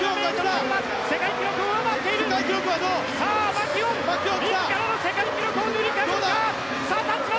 マキュオン、自らの世界記録を塗り替えるか！